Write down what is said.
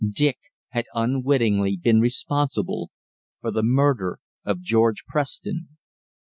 Dick had unwittingly been responsible for the murder of George Preston!